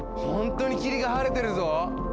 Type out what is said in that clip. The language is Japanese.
ほんとに霧が晴れてるぞ！